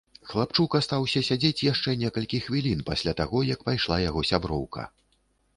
Хлапчук астаўся сядзець яшчэ некалькі хвілін пасля таго, як пайшла яго сяброўка.